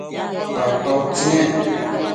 papa utsi nec